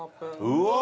うわ。